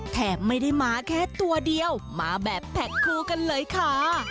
ไม่ได้มาแค่ตัวเดียวมาแบบแพ็คคู่กันเลยค่ะ